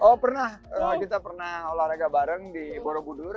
oh pernah kita pernah olahraga bareng di borobudur